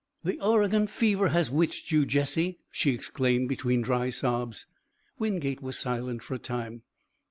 "The Oregon fever has witched you, Jesse!" she exclaimed between dry sobs. Wingate was silent for a time.